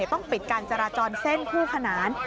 ต้องปิดการจราจรเส้นคู่ขนาน